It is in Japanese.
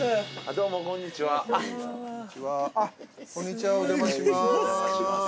こんにちはお邪魔します